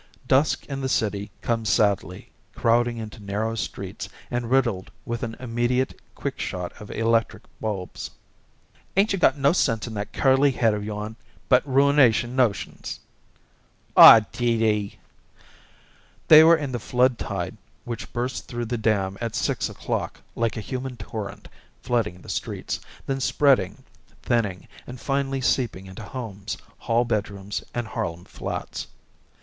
Dusk in the city comes sadly, crowding into narrow streets and riddled with an immediate quick shot of electric bulbs. "'Ain't you got no sense a tall? 'Ain't you got no sense in that curly head of yourn but ruination notions?" "Aw, Dee Dee!" They were in the flood tide which bursts through the dam at six o'clock like a human torrent flooding the streets, then spreading, thinning, and finally seeping into homes, hall bedrooms, and Harlem flats.